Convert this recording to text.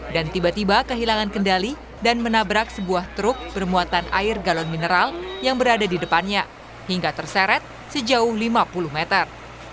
dan tiba tiba kehilangan kendali dan menabrak sebuah truk bermuatan air galon mineral yang berada di depannya hingga terseret sejauh lima puluh meter